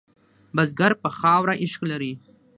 بزګر په خاوره عشق لري